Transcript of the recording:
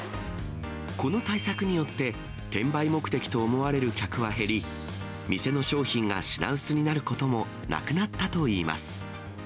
この対策によって、転売目的と思われる客は減り、店の商品が品薄になることもなくなったといいます。